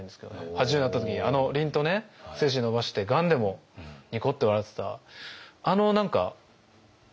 ８０になった時にあのりんとね背筋伸ばしてがんでもニコッて笑ってたあの何か生き方。